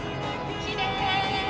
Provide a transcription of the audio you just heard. きれい。